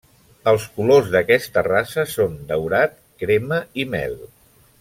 Els colors d'aquesta raça són daurat, crema, i mel.